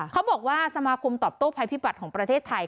เขาบอกว่าสมาคมตอบโต้ภัยพิบัติของประเทศไทย